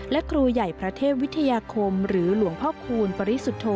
และครูใหญ่พระเทพวิทยาคมหรือหลวงพ่อคูณปริสุทธโธ